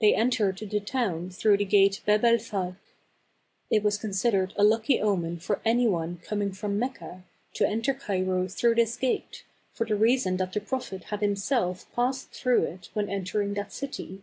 They entered the town through the gate Beb el Falch. It was considered a lucky omen for any one coming from Mecca to enter Cairo through this gate, for the reason that the Prophet had himself passed through it when entering that city.